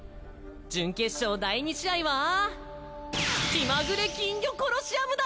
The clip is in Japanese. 準決勝第２試合は「気まぐれ金魚コロシアム」だ